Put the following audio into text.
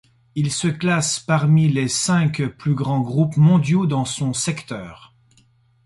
Il se classe parmi les cinq plus grands groupes mondiaux dans son secteur.